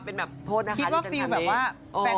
สมศุษย์